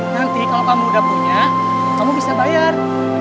nanti kalau kamu udah punya kamu bisa bayar